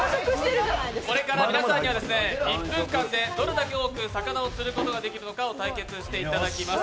これから皆さんには１分間でどれだけ多く魚を釣ることができるか対決していただきます。